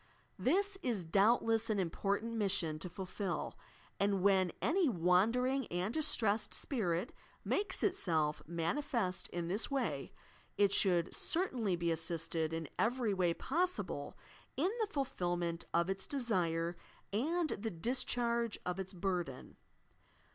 This is doubtless an important mission to fulfil, and when any wandering and distressed spirit makes itself manifest in this way, it should certainly be assisted in every way possible iq the fulfilment of its desire and the discharge of its burden.